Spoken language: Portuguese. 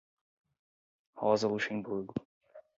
Rosa Luxemburgo